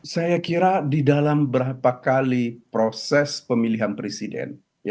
saya kira di dalam berapa kali proses pemilihan presiden